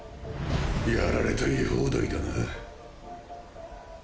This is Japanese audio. やられたい放題だな。